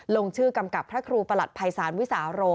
ลงชื่อกำกับพระครูประหลัดภัยศาลวิสาโร